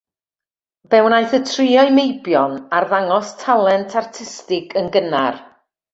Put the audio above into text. Fe wnaeth y tri o'u meibion arddangos talent artistig yn gynnar.